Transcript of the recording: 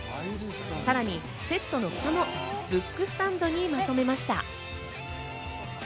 さらにセットのふたもブックスタンドにまとめました。